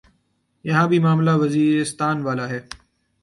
یہاں بھی معاملہ وزیرستان والا ہے۔